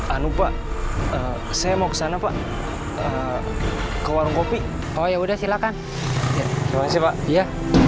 anu pak saya mau ke sana pak ke warung kopi oh ya udah silakan ya